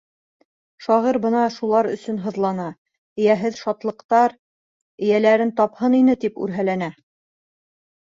Шағир бына шулар өсөн һыҙлана, эйәһеҙ шатлыҡтар эйәләрен тапһын ине, тип үрһәләнә.